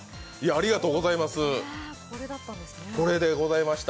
ありがとうございます。